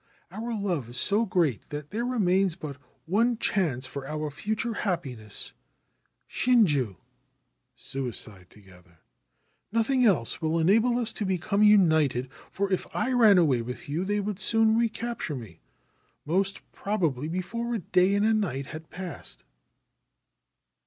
Our love is so great that there remains but one chance for our future happiness — shinju (suicide together). Nothing else will enable us to become united, for if I ran away with you they would soon recapture me, most probably before a day and night had passed."